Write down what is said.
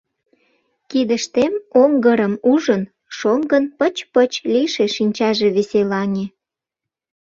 Кидыштем оҥгырым ужын, шоҥгын пыч-пыч лийше шинчаже веселаҥе.